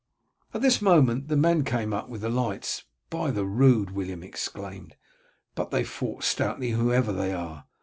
At this moment the men came up with the lights. "By the rood," William exclaimed, "but they fought stoutly, whoever they are.